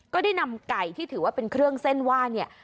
ก็ได้นำไก่ที่ถือว่าเป็นเครื่องเส้นไหว้เนี่ย